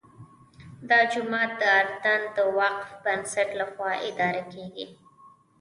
دا جومات د اردن د وقف بنسټ لخوا اداره کېږي.